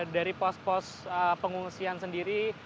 dari pos pos pengungsian sendiri